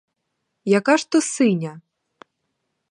Яка ж то синя?